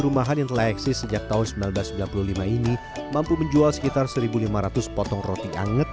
rumahan yang telah eksis sejak tahun seribu sembilan ratus sembilan puluh lima ini mampu menjual sekitar seribu lima ratus potong roti anget